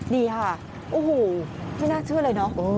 นี่ค่ะโอ้โหไม่น่าเชื่อเลยเนอะ